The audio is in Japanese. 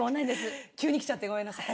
急に来ちゃってごめんなさい。